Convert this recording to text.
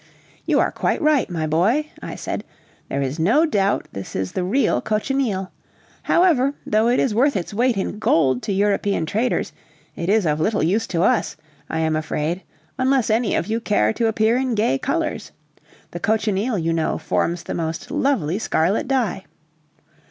"You are quite right, my boy," I said; "there is no doubt this is the real cochineal. However, though it is worth its weight in gold to European traders, it is of little use to us, I am afraid unless any of you care to appear in gay colors. The cochineal you know, forms the most lovely scarlet dye."